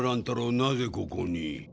なぜここに？